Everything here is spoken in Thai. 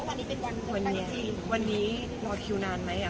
วันนี้อยู่เคอาทิตย์รอคีวดิ์นานมั้ยค่ะ